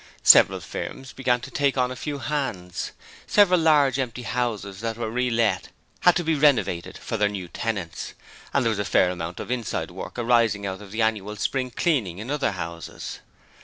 Several firms began to take on a few hands. Several large empty houses that were relet had to be renovated for their new tenants, and there was a fair amount of inside work arising out of the annual spring cleaning in other houses.